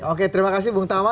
oke terima kasih bung tama